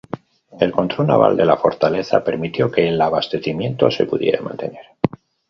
El control naval de la fortaleza permitió que el abastecimiento se pudiera mantener.